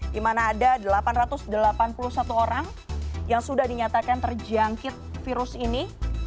di mana ada delapan ratus delapan puluh satu orang yang sudah dinyatakan terjangkit virus ini